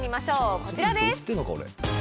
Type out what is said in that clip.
こちらです。